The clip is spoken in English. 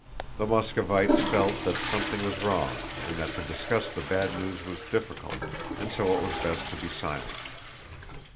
The Moscovites felt that something was wrong and that to discuss the bad news was difficult, and so it was best to be silent.